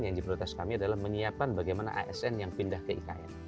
yang jadi prioritas kami adalah menyiapkan bagaimana asn yang pindah ke ikn